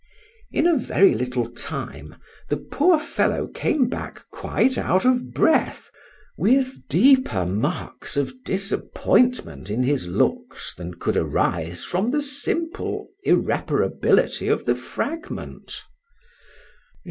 In a very little time the poor fellow came back quite out of breath, with deeper marks of disappointment in his looks than could arise from the simple irreparability of the fragment.